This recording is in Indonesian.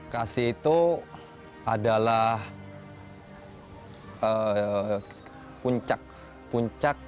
kasih itu adalah puncak